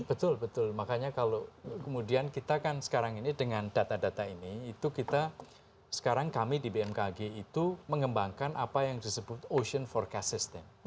betul betul makanya kalau kemudian kita kan sekarang ini dengan data data ini itu kita sekarang kami di bmkg itu mengembangkan apa yang disebut ocean forecast system